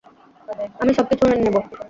আমি সবকিছু মেনে নেব।